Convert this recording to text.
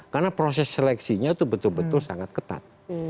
karena proses seleksinya itu betul betul sangat ketat